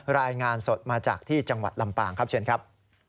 รายงานสดมาจากที่จังหวัดลำปางครับเชิญครับ